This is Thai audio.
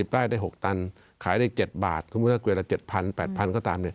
ป้ายได้๖ตันขายได้๗บาทสมมุติว่าเกลียดละ๗๐๐๘๐๐ก็ตาม